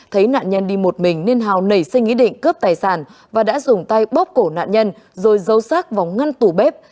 thấy nạn nhân đi một mình nên hào nảy sinh ý định cướp tài sản và đã dùng tay bóp cổ nạn nhân rồi dâu xác vòng ngăn tủ bếp